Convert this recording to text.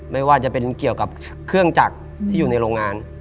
ไม่ว่าจะเป็นเกี่ยวกับเครื่องจักรที่อยู่ในโรงงาน